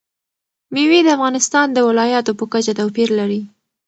مېوې د افغانستان د ولایاتو په کچه توپیر لري.